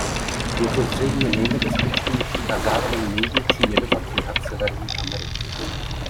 Je to zřejmě nejnebezpečnější a zároveň největší jedovatý had Severní Ameriky.